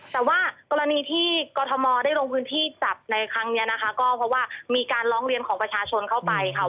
แต่ว่ากรณีที่กรทมได้ลงพื้นที่จับในครั้งนี้นะคะก็เพราะว่ามีการร้องเรียนของประชาชนเข้าไปค่ะ